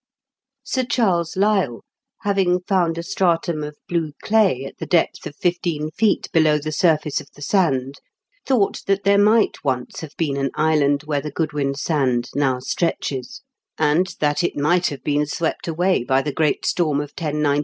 Sir Charles Lyell, having found a stratum of blue clay at the depth of fifteen feet below the surface of the sand, thought that there might once have been an island where the Goodwin Sand now stretches, and that it might have been swept away by the great TEE GOODWIN SAND.